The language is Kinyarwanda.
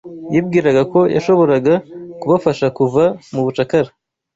Yibwiraga ko yashoboraga kubafasha kuva mu bucakara.